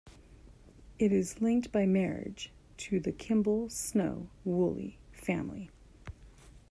It is linked by marriage to the Kimball-Snow-Woolley family.